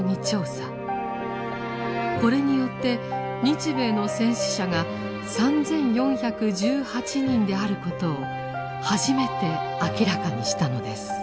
これによって日米の戦死者が３４１８人であることを初めて明らかにしたのです。